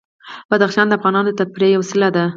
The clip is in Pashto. بدخشان د افغانانو د تفریح یوه وسیله ده.